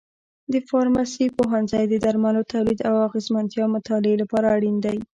د فارمسي پوهنځی د درملو تولید او اغیزمنتیا مطالعې لپاره اړین دی.